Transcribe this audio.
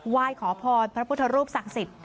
ว่ายขอพรพระพุทธรูปศักดิ์สิต